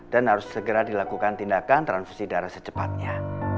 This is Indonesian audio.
dan harus dilakukan segera tindakan transfusi darah secepatnya